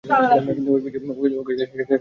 কিন্তু ঐ পিচ্চি, ওকে সামলাতে গিয়েই মারা পড়বো।